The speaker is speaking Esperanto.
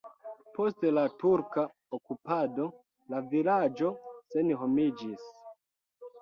Post la turka okupado la vilaĝo senhomiĝis.